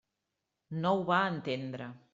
No ho va entendre.